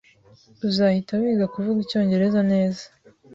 Uzahita wiga kuvuga icyongereza neza